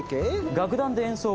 楽団で演奏を。